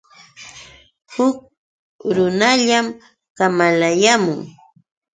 Huk runallam kamalayaamun.